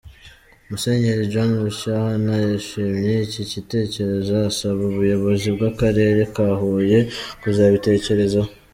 Musenyeri John Rucyahana yashimye iki gitekerezo, asaba ubuyobozi bw’Akarere ka Huye kuzabitekerezaho.